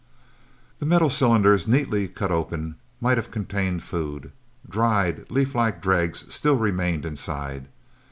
The metal cylinders, neatly cut open, might have contained food dried leaf like dregs still remained inside.